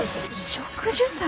植樹祭？